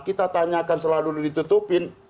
kita tanyakan setelah dulu ditutupin